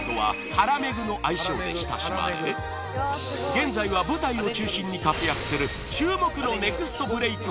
現在は舞台を中心に活躍する注目のネクストブレイク